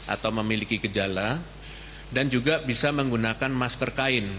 atau memiliki gejala dan juga bisa menggunakan masker kain